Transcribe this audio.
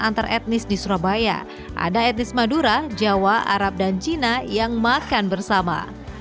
antar etnis di surabaya ada etnis madura jawa arab dan cina yang makan bersama